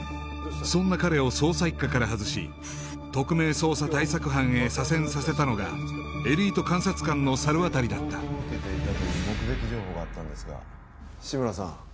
そんな彼を捜査一課から外し特命捜査対策班へ左遷させたのがエリート監察官の猿渡だった志村さん